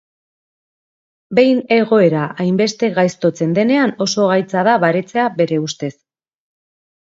Behin egoera hainbeste gaiztotzen denean oso gaitza da baretzea bere ustez.